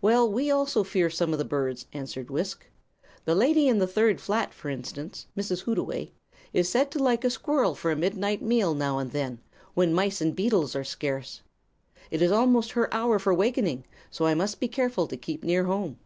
"Well, we also fear some of the birds," answered Wisk. "The lady in the third flat, for instance, Mrs. Hootaway, is said to like a squirrel for a midnight meal now and then, when mice and beetles are scarce. It is almost her hour for wakening, so I must be careful to keep near home."